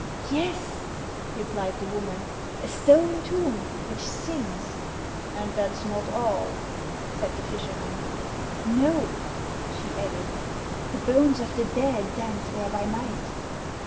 " Yes," replied the woman ;" a stone tomb which sings." " And that 's not all," said the fisherman. " Xo," she added ;" the bones of the dead dance there by night."